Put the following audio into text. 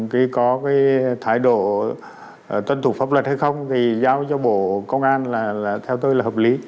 khi có cái thái độ tuân thủ pháp luật hay không thì giao cho bộ công an là theo tôi là hợp lý